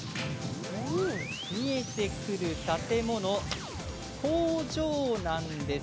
見えてくる建物、工場なんです。